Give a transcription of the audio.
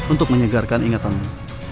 untuk menyegarkan ingatamu